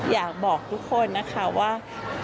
อยากบอกทุกคนนะคะว่า